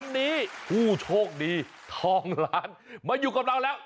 วันนี้ผู้โชคดีทองล้านมาอยู่กับเราแล้ว